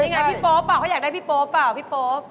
ไงพี่โป๊ปเขาอยากได้พี่โป๊เปล่าพี่โป๊ป